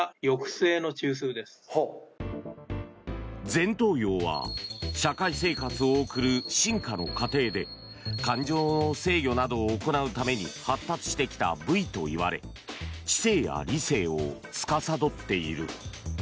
前頭葉は社会生活を送る進化の過程で感情の制御などを行うために発達してきた部位といわれ知性や理性をつかさどっている。